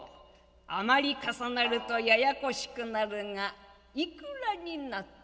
あまり重なるとややこしくなるがいくらになった？」。